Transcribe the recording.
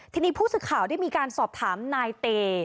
ทีนี้ผู้สื่อข่าวได้มีการสอบถามนายเต